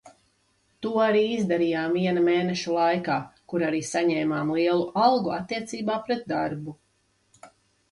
To arī izdarījām viena mēneša laikā, kur arī saņēmām lielu algu attiecībā par darbu.